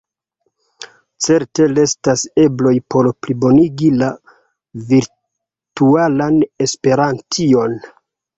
Certe restas ebloj por plibonigi la virtualan Esperantion.